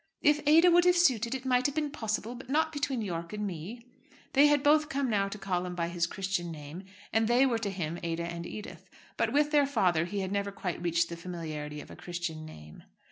"If Ada would have suited, it might have been possible, but not between Yorke and me." They had both come now to call him by his Christian name; and they to him were Ada and Edith; but with their father he had never quite reached the familiarity of a Christian name.